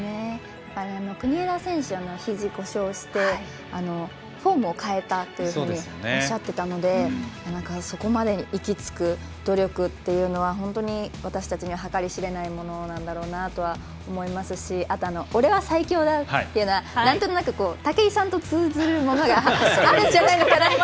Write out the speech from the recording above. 国枝選手、ひじ、故障してフォームを変えたというふうにおっしゃっていたのでそこまでいき着く努力っていうのは本当に私たちには計り知れないものなんだろうなって思いますしあと、俺は最強だ！っていうのはなんとなく、武井さんと通じるものがあるんじゃないのかなと。